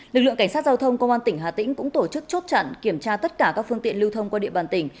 lực lượng cảnh sát giao thông công an tỉnh hà tĩnh cũng tổ chức chốt chặn kiểm tra tất cả các phương tiện lưu thông qua địa bàn tỉnh